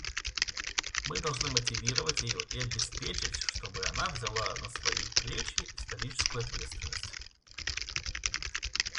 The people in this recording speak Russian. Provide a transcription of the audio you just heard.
Мы должны мотивировать ее и обеспечить, чтобы она взяла на свои плечи историческую ответственность.